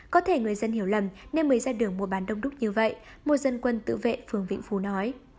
có thể người dân hiểu lầm nên mới ra đường mùa bán đông đúc như vậy một dân quân tự vệ phường vĩnh phú nói